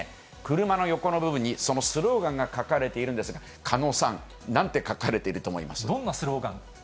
車の横の部分に、そのスローガンが書かれているんですが、狩野さん、なんて書かれていると思いまどんなスローガン？